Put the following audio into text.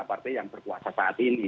partai yang berkuasa saat ini